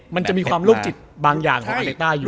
มันมีความลึกจิตบางอย่างของอาเซนอนอยู่